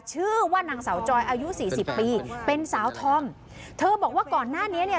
ชื่อว่านางสาวจอยอายุสี่สิบปีเป็นสาวธอมเธอบอกว่าก่อนหน้านี้เนี่ย